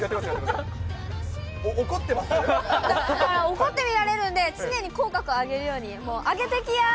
怒って見られるんで、常に口角を上げるように、上げてきやー！